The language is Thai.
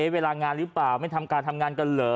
เวลางานหรือเปล่าไม่ทำการทำงานกันเหรอ